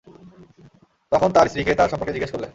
তখন তার স্ত্রীকে তার সম্পর্কে জিজ্ঞেস করলেন।